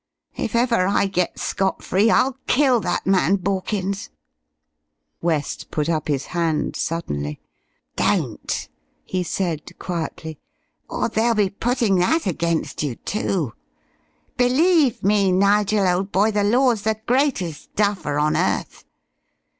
If ever I get scot free, I'll kill that man Borkins." West put up his hand suddenly. "Don't," he said, quietly; "or they'll be putting that against you, too. Believe me, Nigel, old boy, the Law's the greatest duffer on earth.